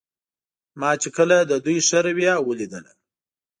ما چې کله د دوی ښه رویه ولیدله.